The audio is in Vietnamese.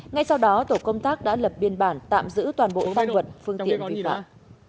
ngay sau đó tổ công tác đã lập biên bản tạm giữ toàn bộ tăng vật phương tiện vi phạm